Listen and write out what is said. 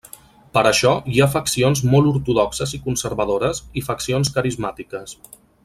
Per això, hi ha faccions molt ortodoxes i conservadores i faccions carismàtiques.